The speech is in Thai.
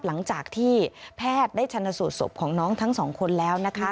หลังจากที่แพทย์ได้ชนสูตรศพของน้องทั้งสองคนแล้วนะคะ